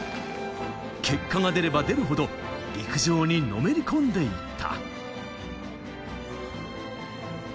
結果が出れば出るほど陸上にのめり込んでいった。